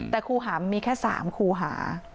แต่ครูหามมีแค่๓ครูหา